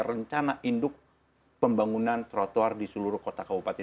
rencana induk pembangunan trotoar di seluruh kota kabupaten